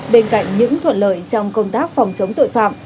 bên cạnh những thuận lợi trong công tác phòng chống tội phạm